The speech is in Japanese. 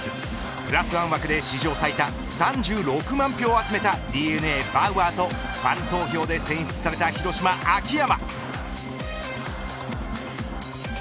プラスワン枠で史上最多３６万票を集めたＤｅＮＡ、バウアーとファン投票で選出された広島、秋山。